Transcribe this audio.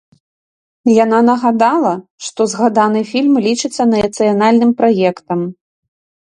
Яна нагадала, што згаданы фільм лічыцца нацыянальным праектам.